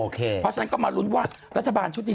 เพราะฉะนั้นก็มาลุ้นว่ารัฐบาลชุดนี้